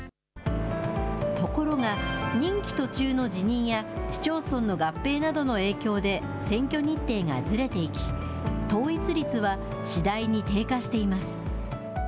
ところが、任期途中の辞任や、市町村の合併などの影響で選挙日程がずれていき、統一率は次第に低下しています。